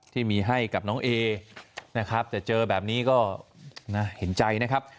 ที่มีให้กับน้องเอนะครับแต่เจอแบบนี้ก็น่าเห็นใจนะครับ